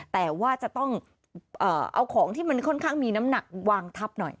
แต่ว่าจะต้องเอาของที่มันค่อนข้างมีน้ำหนักวางทับหน่อย